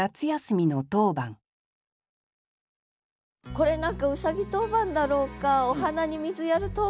これ何かうさぎ当番だろうかお花に水やる当番だろうか。